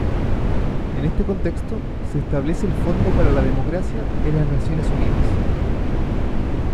En este contexto, se establece el Fondo para la Democracia en las Naciones Unidas.